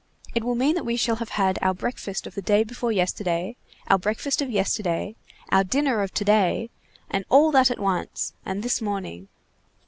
It will mean that we shall have had our breakfast of the day before yesterday, our breakfast of yesterday, our dinner of to day, and all that at once, and this morning.